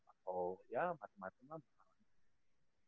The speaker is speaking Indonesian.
atau ya masing masing